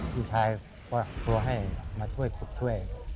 พี่ชายก็โทรให้มาช่วยขุดช่วย